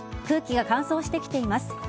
空気が乾燥してきています。